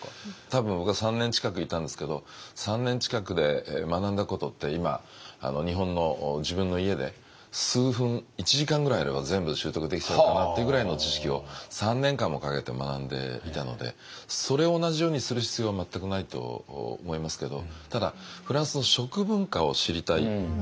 多分僕は３年近くいたんですけど３年近くで学んだことって今日本の自分の家で数分１時間ぐらいあれば全部習得できちゃうかなっていうぐらいの知識を３年間もかけて学んでいたのでそれを同じようにする必要は全くないと思いますけどただフランスの食文化を知りたい。